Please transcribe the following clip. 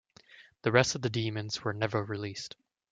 The rest of the demos were never released.